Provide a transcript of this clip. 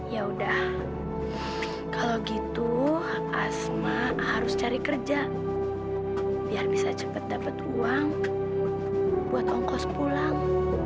ya udah kalau gitu asma harus cari kerja biar bisa cepat dapat uang buat ongkos pulang